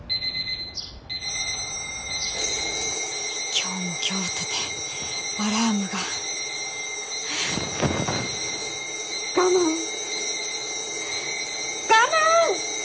今日も今日とてアラームが我慢我慢！